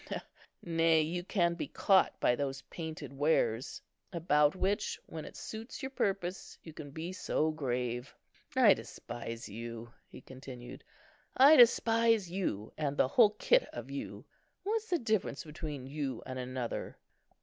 Nay, you can be caught by those painted wares, about which, when it suits your purpose, you can be so grave. I despise you," he continued, "I despise you, and the whole kit of you. What's the difference between you and another?